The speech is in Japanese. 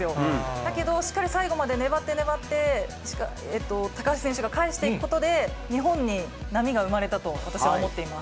だけどしっかり最後まで粘って粘って、高橋選手が返していくことで、日本に波が生まれたと私は思っています。